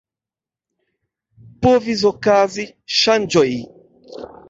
Povis okazi ŝanĝoj.